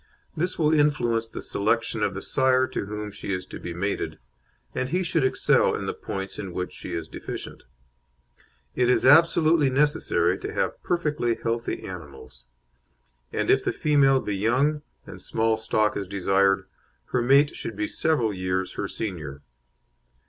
This will influence the selection of the sire to whom she is to be mated, and he should excel in the points in which she is deficient. It is absolutely necessary to have perfectly healthy animals, and if the female be young, and small stock is desired, her mate should be several years her senior.